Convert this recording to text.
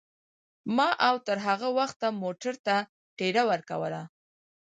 ما او تر هغه وخته موټر ته ټېله ورکوله.